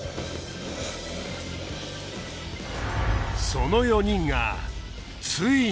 その４人がついに